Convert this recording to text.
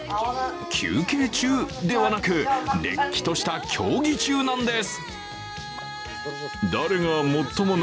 休憩中ではなく、れっきとした競技中なんです。